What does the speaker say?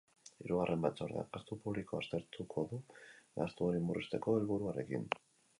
Hirugarren batzordeak gastu publikoa aztertuko du, gastu hori murrizteko helburuarekin.